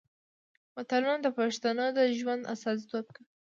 متلونه د پښتنو د ژوند استازیتوب کوي